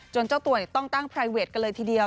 เจ้าตัวต้องตั้งไพรเวทกันเลยทีเดียว